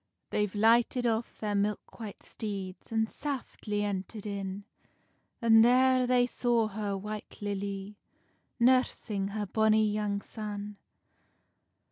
They've lighted off their milk white steeds, An saftly enterd in, And there they saw her White Lilly, Nursing her bonny young son.